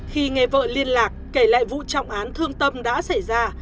khi nghe vợ liên lạc kể lại vụ trọng án thương tâm đã xảy ra